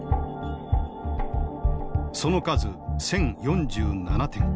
その数１，０４７点。